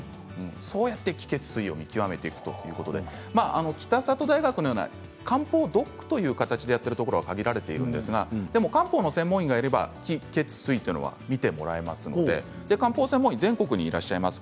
こうやって気・血・水を見極めていくということなんですが北里大学のような漢方ドックという形でやっているところは限られていますけれども漢方の専門医がいれば気・血・水は見てもらえますので漢方専門医は全国にいらっしゃいます。